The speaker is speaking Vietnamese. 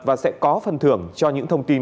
và sẽ có phần thưởng cho những thông tin